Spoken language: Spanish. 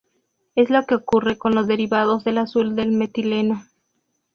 Es lo que ocurre con los derivados del azul de metileno.